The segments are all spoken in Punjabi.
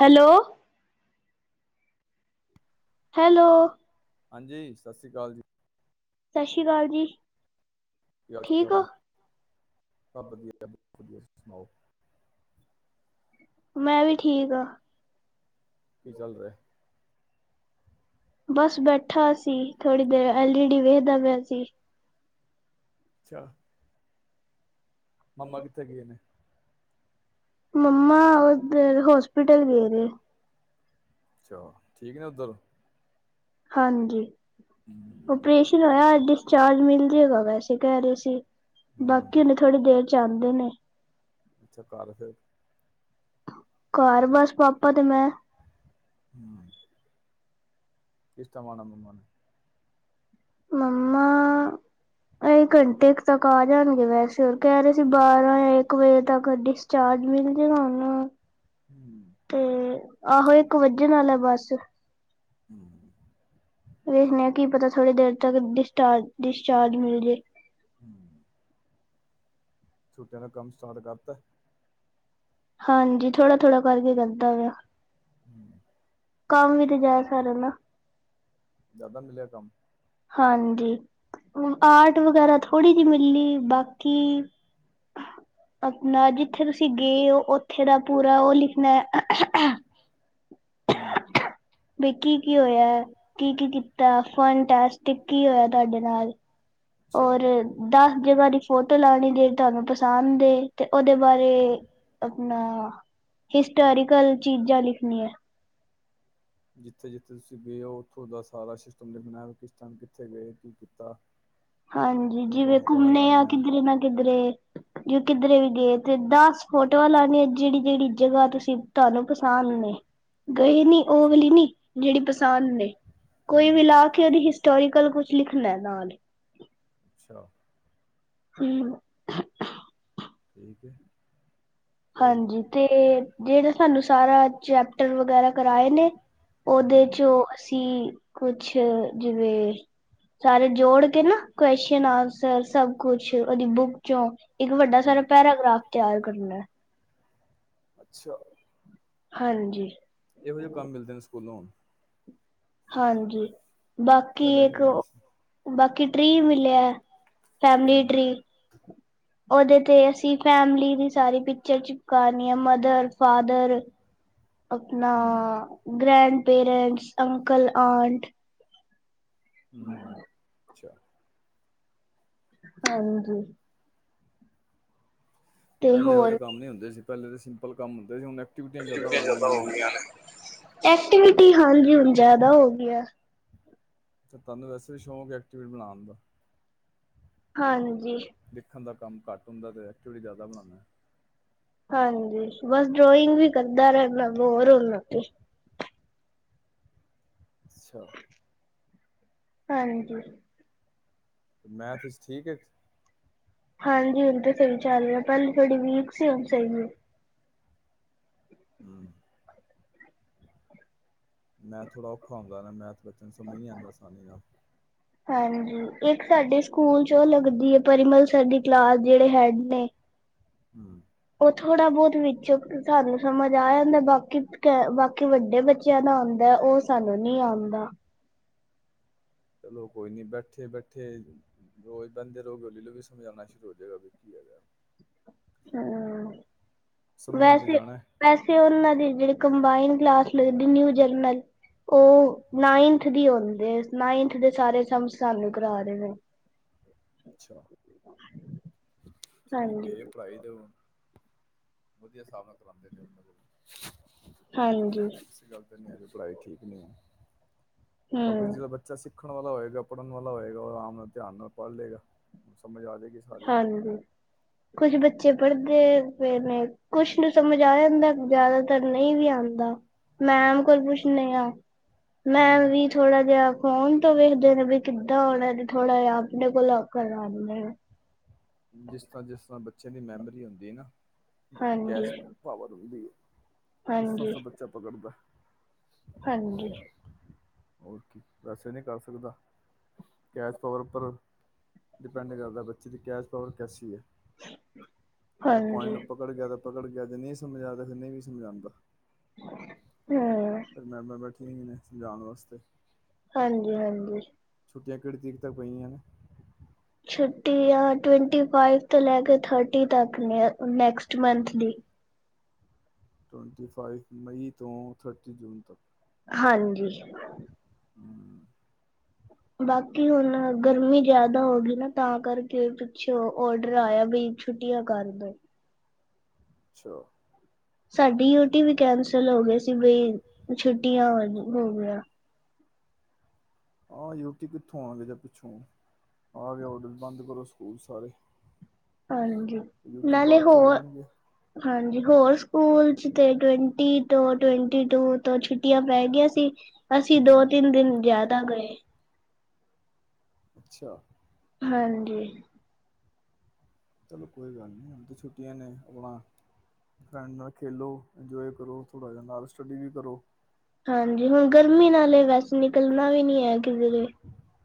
ਹੈਲੋ ਹੈਲੋ ਹਾਂਜੀ ਸਤਿ ਸ੍ਰੀ ਅਕਾਲ ਜੀ ਸਤਿ ਸ਼੍ਰੀ ਅਕਾਲ ਜੀ [unintelligible] ਠੀਕ ਹੋ ਚਾਲ ਸਭ ਵਧੀਆ ਵਧੀਆ ਸੁਣਾਓ ਮੈਂ ਵੀ ਠੀਕ ਆ ਕੀ ਚੱਲ ਰਿਹਾ ਬਸ ਬੈਠਾ ਸੀ ਥੋੜੀ ਦੇਰ ਐਲਈ ਡੀ ਵੇਖਦਾ ਪਿਆ ਸੀ ਅੱਛਾ ਮੰਮਾ ਕਿੱਥੇ ਕੀ ਨੇ ਮੰਮ ਉਹਦ ਹਾਸਪੀਟਲ ਗਏਰੇ ਛਾ ਠੀਕ ਨੇ ਉੱਧਰ ਹਾਂਜੀ ਹੂੰ ਓਪਰੇਸ਼ਨ ਹੋਇਆ ਅਡ ਚਾਰਜ ਮਿਲ ਜਾਏਗਾ ਵੈਸੇ ਕਹਿ ਰਹੇ ਸੀ ਹੂੰ ਬਾਕੀ ਉਹਨੇ ਥੋੜੀ ਦੇਰ ਚਾਹਦੇ ਨੇ ਅੱਛਾ ਕਰ ਫਿਰ ਘਰ ਬਸ ਪਾਪਾ ਤੇ ਮੈਂ [inaudible] ਇਸ਼ਮ ਮ ਮਾਨ ਮੰਮਾ ਅ ਘੰਟੇ ਤੱਕ ਆ ਜਾਣਗੇ ਵੈਸੇ ਹੋਰ ਕਹਿ ਰਹੇ ਸੀ ਬਾਰਾਂ ਜਾਂ ਇੱਕ ਵਜੇ ਤੱਕ ਡਿਸਚਾਰਜ ਮਿਲ ਜਾੇਗਾ ਉਹਨੂੰ ਹੂੰ ਤੇ ਆਹੋ ਇੱਕ ਵਜਣ ਨਾਲ ਹੈ ਬਸ [inaudible] ਨ ਕੀ ਪਤਾ ਥੋੜੀ ਦੇਰ ਤੱਕ ਡਿਸਚਾਰ ਡਿਸਚਾਰਜ ਮਿਲ ਜੇ [inaudible] ਛੁੱਟੀਆਂ ਦਾ ਕੰਮ ਸਟਾਰਟ ਕਰਤਾ ਹਾਂਜੀ ਥੋੜਾ ਥੋੜ੍ਹਾ ਕਰਕੇ ਕਰਦਾ ਵਾ [inaudible] ਕੰਮ ਵੀ ਤੇ ਜਾ ਸਾਰਿਆਂ ਨਾ ਜ਼ਿਆਦਾ ਮਿਲਿਆ ਕੰਮ ਹਾਂਜੀ, ਹੁਨ ਆਰਟ ਵਗੈਰਾ ਥੋੜ੍ਹੀ ਜੀ ਮਿਲੀ, ਬਾਕੀ, ਆਪਣਾ ਜਿੱਥੇ ਤੁਸੀਂ ਗੇ ਔ ਔਥੇ ਦਾ ਪੂਰਾ ਔਹ ਲਿਖਨਾ ਹੂੰ ਬਈ ਕੀ ਕੀ ਹੋਇਆ। ਕੀ-ਕੀ ਕੀਤਾ। ਫਨ ਟਾਸਕ ਕੀ ਕੀ ਹੋਇਆ ਤਾਡੇ ਨਾਲ। ਅੱਛਾ ਔਰ ਦਸ ਜਗਹ ਦੀ ਫੋਟੋ ਲੈਣੀ ਜੇੜੀ ਤਾਨੂੰ ਪਸੰਦ ਏ, ਤੇ ਔਦੇ ਬਾਰੇ ਅਪਣਾ ਹਿਸਟੋਰੀਕਲ ਚੀਜ਼ਾਂ ਲਿਖਣੀਆ। ਜਿੱਥੇ-ਜਿੱਥੇ ਤੁਸੀਂ ਗੇ ਔ ਉੱਥੋਂ ਦੱਸ ਸਾਰਾ ਸਿਸਟਮ ਲਿਖਣੈ ਕਿਸ ਥਾਂ ਗੇਂ। ਕਿਥੇ ਗਏ, ਕੀ ਕੀਤਾ? ਹਾਂਜੀ, ਫੋਟੋਆਂ ਜਿਵੇਂ ਫੋਟੋਆਂ ਘੁੰਮਣੇ ਆ ਲਗਾਉਣੀਆਂ ਕਿਧਰੇ ਨਾ ਕਿਧਰੇ। ਜੇ ਕਿਦਰੇੇ ਵੀ ਗੇ ਤ ਤੇ ਦਾਸ ਫੋਟੋਆਂ ਲਾਣੀਐ ਜੇੜੀ ਜੇੜੀ ਜਗਾ ਤੁਸ ਕਿ ਤੁਹਾਨੂੰ ਪਸੰਦ ਨੇ। ਗਏ ਨੀ ਔ ਅੱਛਾ ਵਾਲੀ ਨੀ ਜੇੜੀ ਪਸ ਸਾਮਨੇ ਕੋਈ ਵੀ ਹੂੰ ਲਾ ਕੇ ਓਹਦੀ ਹਿਸਟੋਰੀਕਲ ਕੁਛ ਲਿਖਣਾ ਨਾਲ ਅੱਛਾ। ਹੂੰ। ਠੀਕ ਏ। ਹਾਂਜੀ, ਤੇ ਜੇੜੇ ਸੈਨੂੰ ਸਾਰਾ ਚੈਪਟਰ ਵਗੈਰਾ ਕਰਾਏ ਨੇ ਔਦੇ ਹੂੰ ਚੋ ਅਸੀਂ ਕੁਛ ਜਿਵੇਂ, ਸਾਰੇ ਜੋੜ ਕੇ ਨਾ ਕੋਸ਼ਨ ਆਂਸਰ ਸਭ ਕੁ ਛ ਔਦੀ ਬੁੱਕ ਚੋਂ ਇੱਕ ਵੱਡਾ ਹੂੰ ਸਾਰਾ ਪੈਰਾਗ੍ਰਾਫ ਤਿਆਰ ਕਰਨਾ। ਅੱਛਾ। ਹਾਂਜੀ। ਏਹੋ ਜਹੇ ਕੰਮ ਮਿਲਦੇ ਨੇ ਸ ਕੁਲੋ। ਹਾਂਜੀ। ਬਾਕੀ ਪਹਿਲੇ ਨੀ ਇੱਕ ਹੁੰਦੇ ਓ, ਸੀ ਬਾਕੀ ਟ੍ਰੀ ਮਿਲਿਐ ਫੈਮਲੀ ਹੂੰ ਟ੍ਰੀ। ਔਦੇ ਤੇ ਅਸੀਂ ਫੈਮਲੀ ਦੀ ਸਾਰੀ ਪਿਚਰ ਚਿਪਕਾਣੀਆ ਮਦਰ-ਫਾਦਰ। ਅਪਣਾ ਹੂੰ ਗ੍ਰੈਂਡ ਪੇਰੈਂਟਸ, ਅੰਕਲ, ਆਂਟ। ਹੂੰ ਹੂੰ ਅੱਛਾ। ਹਾਂਜੀ। ਤੇ ਪਹਿਲੇ ਏਹੋ ਜੋ ਹੋਰ ਕੰਮ ਨੀ ਹੁੰਦੇ ਸੀ। ਪਹਿਲੇ ਤੇ ਸਿੰਪਲ ਕੰਮ ਹੁੰਦੇ ਸੀ ਹੁਣ ਏ ਐਕਟੀਵਿਟੀਆਂ ਜ਼ਿਆਦਾ ਹੋ ਗਈਆਂ ਨੇ ਐਕਟੀਵਿਟੀ ਹਾਂਜੀ ਹੁਣ ਜਿਆਦਾ ਹੋ ਗਈਆਂ। ਤੇ ਤੁਹਾਨੂੰ ਵੈਸੇ ਵੀ ਸ਼ੌਕ ਹੈ ਐਕਟੀਵਿਟੀ ਬਣਾਉਣ ਦਾ ਹਾਂ ਨ ਦੇਖਣ ਦਾ ਕੰਮ ਘੱਟ ਹੁੰਦਾ ਤੇ ਐਕਚਲੀ ਜ਼ਿਆਦਾ ਬਣਾਨੇ ਆ। ਹਾਂਜੀ, ਬਸ ਡਰੋਇੰਗ ਵੀ ਕਰਦਾ ਰਹਿਣਾਂ ਬੋਰ ਹੋਨਾ ਤੇ ਅੱਛਾ। ਹਾਂਜੀ। ਮੈਥ ਚ ਠੀਕ ਹੈ ਕ ਹਾਂਜੀ ਹੁਣ ਤਾਂ ਸਹੀ ਚੱਲ ਰਿਹਾ ਪਹਲੇ ਥੋੜੀ ਵੀਕ ਸੀ ਹੁਣ ਸਹੀ ਰ। ਹੂੰ। ਮੈਥ ਥੋੜਾ ਔਖਾ ਹੁੰਦਾ ਨਾ ਮੈਂ ਬੱਚੇ ਨੂੰ ਸਮਝ ਨੀ ਆਉਂਦਾ ਆਸਾਨੀ ਨਾਲ ਹਾਂਜੀ, ਇੱਕ ਸਾਡੇ ਸਕੂਲ ਚ ਉਹ ਲੱਗਦੀ ਆ ਪਰਿਮਲ ਸਰ ਦੀ ਕਲਾਸ ਜਿਹੜੇ ਹੈਡ ਨੇ ਹੂੰ। ਉਹ ਥੋੜ੍ਹਾ ਬਹੁਤ ਵਿੱਚੋ ਸਾਨੂੰ ਸਮਝ ਆ ਜਾਂਦਾ। ਬਾਕੀ ਤੇ ਬਾਕੀ ਵੱਡੇ ਬੱਚਿਆਂ ਦਾ ਆਉਂਦਾ ਉਹ ਸਾਨੂੰ ਨਹੀਂ ਆਉਂਦਾ। ਚਲੋ ਕੋਈ ਨੀ ਬੈਠੇ ਬੈਠੇ ਰੋਜ਼ ਬਹਿੰਦੇ ਰਹੋਗੇ ਹੌਲੀ ਹੌਲੀ ਵੀ ਸਮਝ ਆਉਣਾ ਸ਼ੁਰੂ ਹੋ ਜਾਏਗਾ ਕੀ ਹੈਗਾ। ਹੂੰ ਸਮਝਣ ਤੇ ਵੈਸੇ ਜਾਣਾ ਵੈਸੇ ਉਹਨਾਂ ਦੀ ਜਿਹੜੀ ਕੰਬਾਈਨ ਕਲਾਸ ਲਗਦੀ ਨਿਊ ਜਰਨਲ ਉਹ ਨਇਨਥ ਦੀ ਹੂੰਦੇ, ਨਾਈਨਥ ਦੇ ਸਾਰੇ ਸਮਸ ਸਾਨੂੰ ਕਰ ਰਹੇ ਨੇ। ਅੱਛਾ। ਠੀਕ ਹਾਂਜੀ ਏ ਪੜ੍ਹਾਈ ਤੇ ਹੁਣ ਵਧੀਆ ਹਿਸਾਬ ਨਾਲ ਕਰਾਉਂਦੇ ਨੇ ਆਪਣੇ ਕੋਲ ਹਾਂਜੀ ਐਸੀ ਗੱਲ ਤੇ ਨਹੀਂ ਹੈਗੀ ਪੜ੍ਹਾਈ ਚ ਠੀਕ ਨਹੀਂ? ਬਾਕੀ ਹਮ ਜਦੋਂ ਬੱਚਾ ਸਿੱਖ ਖਣ ਵਾਲਾ ਹੋਏਗਾ, ਪੜ੍ਹਨ ਵਾਲਾ ਹੋਏਗਾ, ਉਹ ਆਰਾਮ ਨਾਲ ਧਿਆਨ ਨਾਲ ਪੜ੍ਹ ਲਏਗਾ। ਸਮਝ ਆ ਜੇਗੀ ਸਾਰੀ ਕੁਛ ਬੱਚੇ ਪੜ੍ਹਦੇ ਪਏ ਨੇ ਕੁਛ ਨੂੰ ਸਮਝ ਆ ਜਾਂਦਾ ਜਿਆਦਾਤਰ ਨਹੀਂ ਵੀ ਆਉਂਦਾ ਮੈਮ ਕੋਲ ਪੁੱਛਨ ਆ। ਮੈ ਹੂੰ ਵੀ ਥੋੜਾ ਜਿਹਾ ਕੋਣ [unintelligible] ਜਿਸ ਤਰ੍ਹਾਂ, ਜਿਸ ਤਰ੍ਹਾਂ ਬੱਚ ਬੱਚੇ ਦੀ ਮੈਮਰੀ ਹੁੰਦੀ ਨਾ। ਹਾਂਜੀ ਗੈਸ ਮੈਂ ਪਾਵਰ ਵੀ ਦੇਈਏ। ਹਾਂਜੀ [unintelligible] ਹਾਂਜੀ। ਹੋਰ ਕੀ ਵੈਸੇ ਨਹੀਂ ਕਰ ਸਕਦਾ, ਕੈਚ ਪਾਵਰ ਉੱਪਰ, ਡਿਪੈਂਡ ਕਰਦਾ ਬੱਚੇ ਦੀ ਕੈਚ ਪਾਵਰ ਕੈਸੀ ਹੈ। [unintelligible] ਹਾਂਜੀ ਨਹੀਂ ਸਮਝਾਦਾ ਫਿਰ ਨਹੀਂ ਵੀ ਸਮਝਾਉਂਦਾ। ਹ। ਫਿਰ ਮੈਂਮ ਬੈਠੀਆਂ ਨੇ ਸਮਝਾਣ ਜਾਣ ਵਾਸਤੇ। [inaudible] ਹਾਂਜੀ, ਹਾਂਜੀ। ਛੁਟੀਆਂ ਕਿੜਤੀ ਤਾਂ ਪਈ। [unintelligible] ਛੁੱਟੀਆ ਟਵਾਨਪਚੀ ਤੋਂ ਲੈ ਕੇ ਤੀਹ ਵਾਤੱਕ ਨੇ ਨੈਕਸਟ ਮੰਥ ਦੀ। [unintelligible] ਹਾਂਜੀ। ਹਮ ਬਾਕੀ। ਹੁਣ ਗਰਮੀ ਜਿਆਦਾ ਹੋ ਗਈ ਨਾ। ਤਾਂ ਕਰਕੇ ਪਿੱਛੇ ਔਡਰ ਆਇਆ ਬਈ ਛੁੱਟੀਆਂ ਕਰ ਦਿ। ਅੱਛਾ। ਸਾਡੀ ਯੂਟੀ ਵੀ ਕੈਂਸਲ ਹੋ। ਗਈ ਸੀ ਬਈ ਛੁੱਟੀਆਂ ਹੋ ਗਿਆਂ। ਆ ਯੂਟੀ ਕਿੱਥੋਂ ਆ ਗਈ ਜਾਂ ਪਿੱਛੋਂ, ਆਗੇ ਅਡਰ ਬੰਦ ਕਰੋ ਸਕੂਲ ਸਾਰੇ। ਹਾਂਜੀ। ਯੂਟੀ ਨਾਲੇ ਬਾਅਦ ਚੋਂ ਹੋਰ, ਲੈਣਗੇ ਹਾਂਜੀ। ਹੋਰ ਸਕੂਲ ਚ ਤੇ ਟਵੰਟੀ ਤੋਂ ਟਵੰਟੀ- ਟੂ ਤੋਂ ਛੁੱਟੀਆਂ ਪੈ ਗਈਆਂ ਸੀ। ਅਸੀਂ ਦੋ ਹਮ -ਤਿੰਨ ਦਿਨ ਜ਼ਿਆਦਾ ਗਏ। ਅੱਛਾ। ਹਾਂਜੀ। ਚਲੋ ਕੋਈ ਗੱਲ ਨਹੀਂ ਹੁਣ ਤੇ ਛੁੱਟੀਆਂ ਨੇ, ਆਪਣਾ ਫਰੈਂਡ ਨਾਲ ਖੇਲੋ ਇੰਜੋਏ ਕਰੋ ਥੋੜਾ ਜਹਾ ਨਾਲ ਸਟੱਡੀ ਵੀ ਕਰੋ। ਹਾਂਜੀ। ਹੁਣ ਗਰਮੀ ਨਾਲੇ ਵੈਸੇ ਨਿਕਲਣਾ ਵੀ ਨੀ ਹੈ ਕਿਸੇ ਦੇ।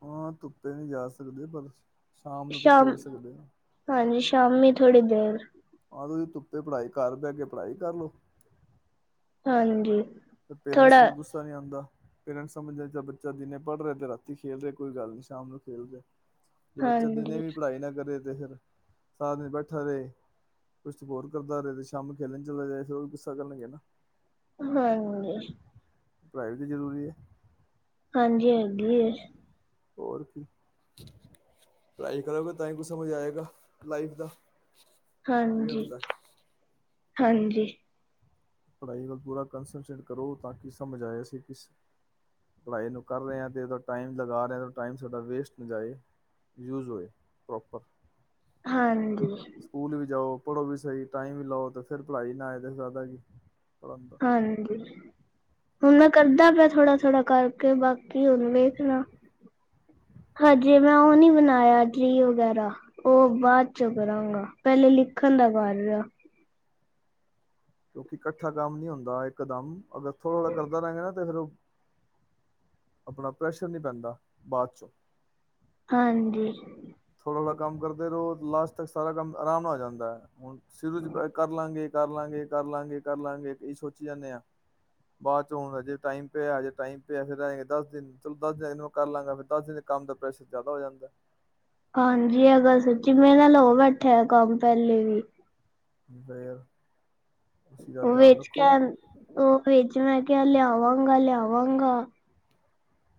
ਹਾਂ ਤੁੁੱਪੇ ਨਹੀਂ ਜਾ ਸਕਦੇ ਪਰ ਸ਼ਾਮ ਨੂੰ ਤ ਖੇਲ ਸਕਦੇ ਹੋ। ਹਾਂਜੀ ਸ਼ਾਮੀ ਥੋੜੀ ਦੇਰ। ਆਂ ਤੁਸੀ ਤੁੁੱਪੇ ਪੜ੍ਹਾਈ ਕਰ ਬੈ ਕੇ ਪੜ੍ਹਾਈ ਕਰ ਲਓ। ਹਾਂਜੀ। ਫਿਰ ਪੇਰੈਂਟਸ ਥੋੜਾ ਨੂੰ ਗੁੱਸਾ ਨਹੀਂ ਆਉਂਦਾ। ਪੇਰੈਂਟ ਸਮਝ ਆ ਬੱਚਾ ਦਿਨੇ ਪੜ੍ਹ ਰਿਹਾ ਤੇ। ਰਾਤੀ ਖੇਲ ਰਿਹਾ। ਕੋਈ ਗੱਲ ਨੀ ਸ਼ਾਮ ਨੂੰ ਖੇਲ ਰਿਹਾ। ਜੇ ਬੱਚਾ ਦਿਨੇ ਹਾਂਜੀ ਵੀ ਪੜ੍ਹਾਈ ਨਾ ਕਰੇ। ਫਿਰ ਸਾਰਾ ਦਿਨ ਬੈਠਾ ਰਹੇ। ਕੁਛ ਤੇ ਹੋੋਰ ਕਰਦਾ। ਤੇ ਸ਼ਾਮ ਖੇਲਣ ਚੱਲ ਜਾਏ। ਫਿਰ ਉਹ ਵੀ ਗੁੱਸਾ ਕਰਨ ਲੱਗੇ ਨਾ। ਹਾਂਜੀ। ਪੜ੍ਹਾਈ ਜ਼ਰੂਰੀ ਐ। ਹਾਂਜੀ ਹੈਗੀ ਐ। ਹੋਰ ਕੀ, ਪੜਾਈ ਕਰੋਗੇ ਤਾਂ ਹੀ ਕੁ ਸਮਝ ਆਏਗਾ, ਲਾਈਫ ਦਾ। ਕਿਵੇਂ ਹਾਂਜੀ। ਹੁੰਦਾ ਹਾਂਜੀ। ਪੜ੍ਹਾਈ ਵੱਲ ਪੂਰਾ ਕੰਨਸੰਨਟਰੇਟ ਕਰੋ, ਤਾਂ ਕਿ ਸਮਝ ਆਏ ਅਸੀਂ ਕਿਸ ਪੜ੍ਹਾਈ ਨੂੰ ਕਰ ਰਹੇ ਆਂ, ਤੇ ਏਦਾ ਟਾਈਮ ਲਗਾ ਰਹੇ ਹਾਂ ਤਾਂ ਟਾਈਮ ਸਾਡਾ ਵੇਸਟ ਨਾ ਜਾਏ, ਯੂਜ਼ ਹੋਏ, ਪ੍ਰੋਪਰ। ਹਾਂਜੀ। ਸਕੂਲ ਵੀ ਜਾਓ। ਪੜ੍ਹੋ ਵੀ ਸਹੀ, ਟਾਈਮ ਵੀ ਲਾਓ, ਤੇ ਫਿਰ ਪੜਾਈ ਨਾ ਆਏ ਤੇ ਫੈਦਾ ਕੀ। ਪੜ੍ਹਨ ਦਾ ਹਾਂਜੀ। ਹੁਣ ਮੈਂ ਕਰਦਾਂ ਪਿਆਂ ਥੋੜਾ ਥੋੜਾ ਕਰਕੇ, ਬਾਕੀ ਹੁਣ ਵੇਖਣਾ। ਹਜੇ ਮੈਂ ਉਹ ਨੀ ਬਣਾਇਆ, ਟਰੀ ਵਗੈਰਾ। ਉਹ ਬਾਦ ਚੋ ਕਰਾਂਗਾ। ਪਹਿਲੇ ਲਿਖਣ ਦਾ ਕਰ ਰਿਆ। ਕਿਉਂਕਿ ਕੱਠਾ ਕੰਮ ਨੀ ਹੁੰਦਾ ਇਕਦਮ ਅਗਰ ਥੋੜਾ ਥੋੜਾ ਕਰਦਾ ਰਹੇਂਗਾ ਤੇ ਫਿਰ ਓਹ ਆਪਣਾ ਪ੍ਰੈਸ਼ਰ ਨੀ ਪੈਂਦਾ ਬਾਅਦ ਚੋਂ। ਹਾਂਜੀ। ਥੋੜ੍ਹਾ ਥੋੜ੍ਹਾ ਕੰਮ ਕਰਦੇ ਰੋ। ਲਾਸਟ ਤੱਕ ਸਾਰਾ ਕੰਮ ਆਰਾਮ ਨਾਲ ਹੋ ਜਾਂਦਾ ਐ। ਹੁਣ ਸ਼ੁਰੂ ਚ ਬੇ‌‌ ਕਰ ਲਾਂਗੇ ਕਰ ਲਾਂਗੇ ਕਰ ਲਾਂਗੇ ਕਰ ਲਾਂਗੇ ਏਈ ਸੋਚੀ ਜਾਂਨੇ ਆਂ। ਬਾਦ ਚ ਹੁਣ ਹਜੇ ਟਾਈਮ ਪਿਆ, ਹਜੇ ਟਾਈਮ ਪਿਆ, ਫਿਰ ਰਹਿ ਜਾਣਗੇ ਦਸ ਦਿਨ, ਚਲੋ ਦਸ ਦਿਨ ਹੈਗੇ ਨੇ, ਕਰ ਲਾਂਗਾ। ਫਿਰ ਦਸ ਦਿਨ ਚ ਕੰਮ ਦਾ ਪ੍ਰੈਸ਼ਰ ਜ਼ਿਆਦਾ ਹੋ ਜਾਂਦੈ। ਹਾਂਜੀ ਇਹ ਗੱਲ ਸੱਚੀ। ਮੇਰੇ ਨਾਲ ਹੋ ਬੈਠਿਆ ਐ ਕੰਮ ਪਹਿਲੇ ਵੀ। ਹਮ ਫੇਰ। ਉਹ ਵੇਚ ਕੇ ਅਨ, ਉਹ ਵਿਚ ਮੈਂ ਕਿਹਾ ਲਿਆਵਾਂਗਾ ਲਿਆਵ ਵਾਂਗਾ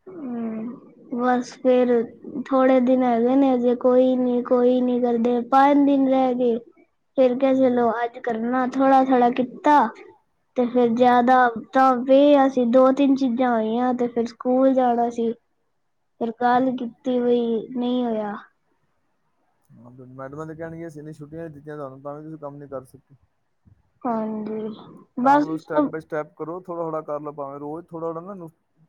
ਹਮ ਬਸ ਫੇਰ ਥੋੜੇ ਦਿਨ ਹੈਗੇ ਨੇ, ਜੇ ਕੋਈ ਨੀ ਕੋਈ ਨੀ ਕਰਦੇ, ਪੰਜ ਦਿਨ ਰਹਿ ਗੇ। ਫੇਰ ਕਿਆ, ਹੂੰ ਚਲੋ ਅੱਜ ਕਰਨਾ ਥੋੜ੍ਹਾ ਥੋੜ੍ਹਾ ਕੀਤਾ ਤੇ ਫੇਰ ਹੂੰ ਜਿਆਦਾ, ਤਾਂ ਵੀ ਅੱਜ ਤੇ ਦੋ ਤਿੰਨ ਚੀਜ਼ਾਂ ਆਈਆਂ, ਤੇ ਫਿਰ ਸ ਸਕੂਲ ਜਾਣਾ ਸੀ। ਫਿਰ ਗੱਲ ਕੀਤੀ ਵਈ ਨਹੀਂ ਹੋਇਆ। ਹਾਂ ਫੇ, ਮੈਡਮਾਂ ਤੇ ਕਹਿਣਗੀਆਂ, ਅਸੀ ਇੰਨੀ ਛੁੱਟੀਆਂ ਦਿੱਤੀਆਂ ਤੁਆਨੂੰ, ਤਾਂ ਵੀ ਤੁਸੀਂ ਕੰਮ ਨੀ ਕਰ ਸਕੇ। ਹਾਂਜੀ। ਕੰਮ ਬਸ ਨੂੰ ਸਟੈਪ ਬਾਈ ਸਟੈਪ ਕਰੋ ਤ ਥੋੜਾ ਥੋੜਾ ਕਰ ਲੋ ਭਾਂਵੇ, ਰੋਜ਼ ਥੋੜਾ ਥੋੜਾ ਨਾ,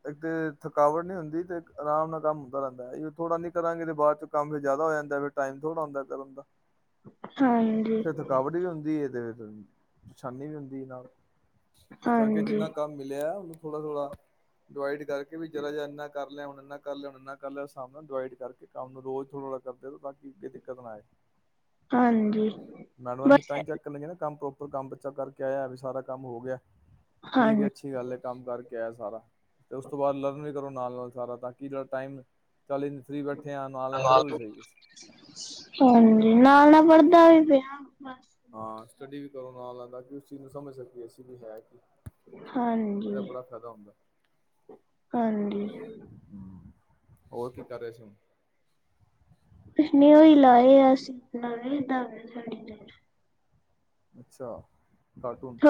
ਇੱਕ ਤੇ ਥਕਾਵਟ ਨੀ ਹੁੰਦੀ ਤੇ ਇਕ ਆਰਾਮ ਨਾਲ ਕੰਮ ਹੁੰਦਾ ਰਹਿੰਦਾ ਐ। ਐਈਓ ਥੋੜਾ ਨੀ ਕਰਾਂਗੇ ਤੇ ਬਾਅਦ ਚ ਕੰਮ ਫੇ ਜ਼ਿਆਦਾ ਹੋ ਜਾਂਦਾ ਐ, ਫੇ ਟਾਈਮ ਥੋੜ੍ਹਾ ਹੁੰਦਾ ਏ ਕਰਨ ਦਾ ਹਾਂਜੀ। ਫਿਰ ਥਕਾਵਟ ਵੀ ਹੁੰਦੀ ਹੈ ਤੇ ਤਨ ਪਰਸ਼ਾਨੀ ਵੀ ਹੁੰਦੀ ਆ ਨਾਲ। ਇਸ ਕਰਕੇ ਹਾਂਜੀ ਜਿੰਨਾ ਕੰਮ ਮਿਲਿਆ, ਉਹਨੂੰ ਥੋੜਾ ਥੋੜਾ ਡਿਵਾਈਡ ਕਰਕੇ ਵੀ, ਜਰਾ ਜਿਹਾ ਇੰਨਾ ਕਰ ਕਰ ਲਿਆ, ਹੁਣ ਇਨਾ ਕਰ ਲਿਆ, ਹੁਣ ਇਨਾ ਕਰ ਲਿਆ। ਸਮ ਡਿਵਾਈਡ ਕਰਕੇ ਕੰਮ ਨੂੰ ਰੋਜ਼ ਥੋੜਾ ਥੋੜਾ ਕਰਦੇ ਰਹੋ, ਤਾਂ ਕਿ ਕੋਈ ਦਿੱਕਤ ਨਾ ਆਏ। ਹਾਂਜੀ। ਮੈਡਮ ਆ ਬਸ ਤਾਂ ਹੀ ਚੈੱਕ ਕਰਨਗੀਆਂ ਜੇ ਕੰਮ ਪ੍ਰੋਪਰ ਉੱਰ ਕੰਮ ਬੱਚਾ ਕਰਕੇ ਆਇਆ ਵੀ ਸਾਰਾ ਕੰਮ ਹੋ ਗਿਆ ਠੀਕ ਹੈ, ਹਾਂਜੀ ਅੱਛੀ ਗੱਲ ਹੈ ਕੰਮ ਕਰ ਕੀਤਾ ਸਾਰਾ ਤੇ ਉਸ ਤੋਂ ਬਾਅਦ ਲਰਨ ਵੀ ਕਰੋ ਨਾਲ-ਨਾਲ ਸਾਰਾ ਤਾਂ ਕਿ ਜਿਹੜਾ ਟਾਈਮ ਚੱਲ ਇਨ ਫਰੀ ਬੈਠੇ ਆ ਨਾਲ ਨਾਲ ਪੜ੍ਹੋ ਵੀ [inaudible] ਸਹੀ ਕੁਛ। ਹਾਂਜੀ ਨਾਲ-ਨਾਲ ਪੜਦਾ ਵੀ ਪਿਆ ਬਸ ਹਾਂ ਸਟੱਡੀ ਵੀ ਕਰੋ ਨਾਲ-ਨਾਲ ਤਾਂ ਕਿ ਉਸ ਚੀਜ਼ ਨੂੰ ਸਮਝ ਸਕੀਏ ਅਸੀਂ ਵੀ ਹੈ ਕਿ- ਇਹਦਾ ਹਾਂਜੀ ਬੜਾ ਫਾਇਦਾ ਹੁੰਦਾ ਹਾਂਜੀ ਹੋਰ ਕੀ ਕਰ ਰਹੇ ਸੀ ਹੁਣ ਨਓਹੀ ਲਾਏ ਆ ਅਸੀਂ ਬਣਾ ਦਾਵੇ ਸਾਡੀ ਅੱਛਾ ਕਾਰਟੂਨ ਥ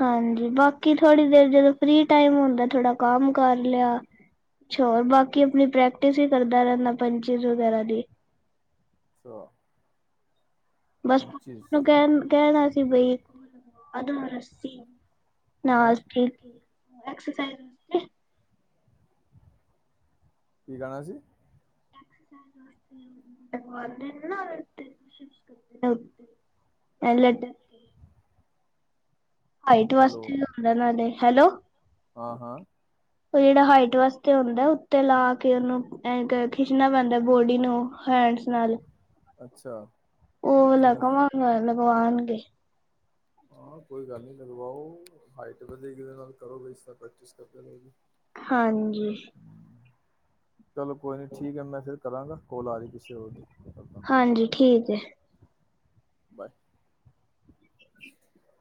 ਹਾਂਜੀ ਬਾਕੀ ਥੋੜ੍ਹੀ ਦੇਰ ਜਦੋਂ ਫਰੀ ਟਾਈਮ ਹੁੰਦਾ ਥੋੜਾ ਕੰਮ ਕਰ ਲ਼ਿਆ, ਹੋਰ ਬਾਕੀ ਆਪਣੀ ਪ੍ਰੈਕਟਿਸ ਹੀ ਕਰਦਾ ਰਹਿੰਦਾ ਪੰਚੀਸ ਵਗੈਰਾ ਦੀ [inaudible] ਬਸ ਪੰਚੀਸ ਕਹਿਣ, ਕਹਿਣਾ ਸੀ ਬਈ ਅਦ ਅੱਸੀ ਹੈਂ ਨਾਸ ਠੀਕ ਐਕਸਸਾਈਜ਼ [inaudible] ਕੀ ਗਾਣਾ ਸੀ ਤੈਨੂੰ ਆਉਂਦੇ ਨੇ ਨਾ [inaudible] ਹਾਈਟ ਵਾਸਤੇ ਵੀ ਹੋਂਦਾ ਨਾਲੇ ਹੈਲੋ ਹਾਂ-ਹਾਂ ਉਹ ਜਿਹੜਾ ਹਾਈਟ ਵਾਸਤੇ ਹੁੰਦਾ, ਉੱਤੇ ਲਾ ਕੇ ਉਹਨੂੰ ਖਿੱਚਣਾ ਪੈਂਦਾ ਬੋਡੀ ਨੂੰ ਹੈਂਡਸ ਨਾਲ ਅੱਛਾ [unintelligible] ਚਿਨਫ ਹੋ ਆਉਣਗੇ ਹਾਂ ਕੋਈ ਗੱਲ ਨੀ ਲਗਵਾਓ, ਹਾਈਟ ਵਧੀ ਕਿਦੇ ਨਾਲ ਕਰੋ ਬ ਇਸ ਨਾਲ ਪ੍ਰੈਕਟਿਸ ਕਰਦੇ ਰਹੋ ਹਾਂਜੀ ਚਲੋ ਕੋਈ ਨੀ ਠੀਕ ਹੈ ਮੈਂ ਫਿਰ ਕਰਾਂਗਾ ਕੋਲ ਆ ਰਹੀ ਕਿਸੇ ਹੋਰ ਦੀ ਕਰਦਾ ਹਾਂਜੀ ਠੀਕ ਹੈ ਬਾਏ [inaudible]